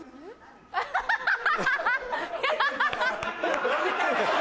アハハハ！